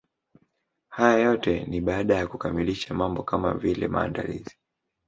Haya yote ni baada ya kukamilisha mambo kama vile maandalizi